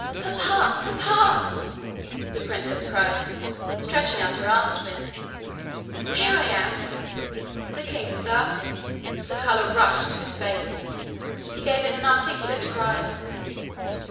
'Papa! papa!' the princess cried, stretching out her arms to him; 'here I am!' The king started. The colour rushed to his face. He gave an inarticulate cry.